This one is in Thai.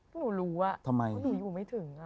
หนูรู้เพราะหนูอยู่ไม่ถึง